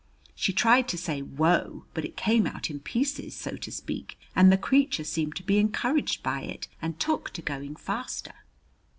She tried to say "Whoa," but it came out in pieces, so to speak, and the creature seemed to be encouraged by it and took to going faster.